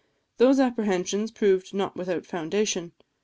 Those apprehensions proved not without foundation.